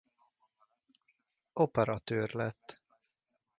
Operatőr lett.